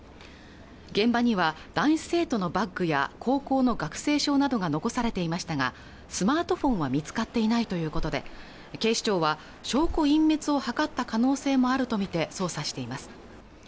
現場には男子生徒のバッグや高校の学生証などが残されていましたがスマートフォンは見つかっていないということで警視庁は証拠隠滅を図った可能性もあるとみて捜査しています